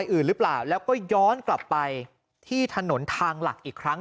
อื่นหรือเปล่าแล้วก็ย้อนกลับไปที่ถนนทางหลักอีกครั้ง